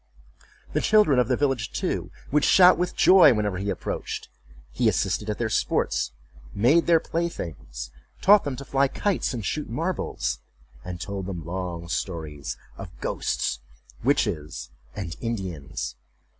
The children of the village, too, would shout with joy whenever he approached. He assisted at their sports, made their playthings, taught them to fly kites and shoot marbles, and told them long stories of ghosts, witches, and Indians.